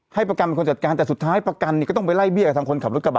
ให้ประกันเป็นคนจัดการแต่สุดท้ายประกันเนี่ยก็ต้องไปไล่เบี้ยทางคนขับรถกระบะ